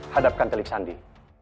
hadapkan telik sandi